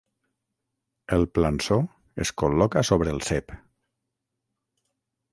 El plançó es col·loca sobre el cep.